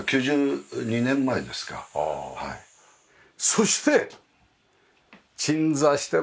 そして鎮座してますね。